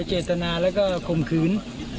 เจตนาแล้วก็ข่มขืน